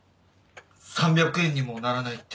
３００円にもならないって。